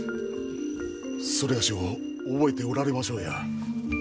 某を覚えておられましょうや。